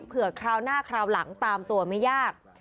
คราวหน้าคราวหลังตามตัวไม่ยาก